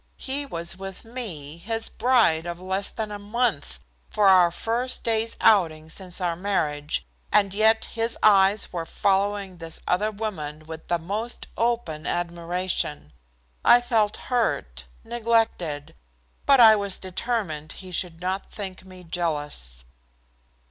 He was with me, his bride of less than a month, for our first day's outing since our marriage, and yet his eyes were following this other woman with the most open admiration. I felt hurt, neglected, but I was determined he should not think me jealous.